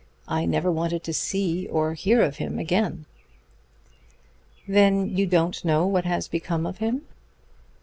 I never wanted to see or hear of him again." "Then you don't know what has become of him?"